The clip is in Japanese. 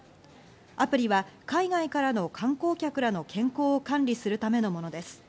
アプリは海外からの観光客らの健康を管理するためのものです。